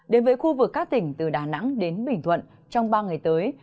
đến với khu vực các tỉnh từ đà nẵng đến bình thuận trong ba ngày tới